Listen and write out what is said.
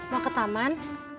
mau ke taman